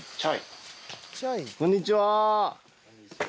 こんにちは！